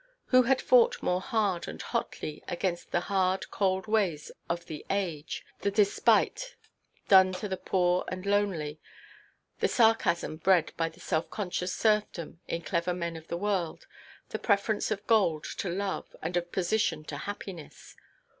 Who had fought more hard and hotly against the hard cold ways of the age, the despite done to the poor and lowly, the sarcasm bred by self–conscious serfdom in clever men of the world, the preference of gold to love, and of position to happiness?